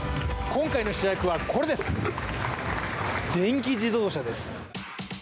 今回の主役はこれです、電気自動車です。